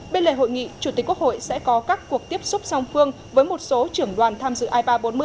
bên lề hội nghị chủ tịch quốc hội sẽ có các cuộc tiếp xúc song phương với một số trưởng đoàn tham dự i ba trăm bốn mươi